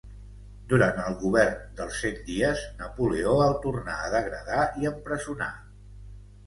Durant el govern dels cent dies, Napoleó el tornà a degradar i empresonar.